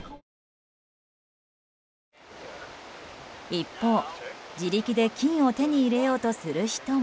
一方、自力で金を手に入れようとする人も。